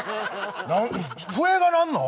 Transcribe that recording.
笛が鳴るの？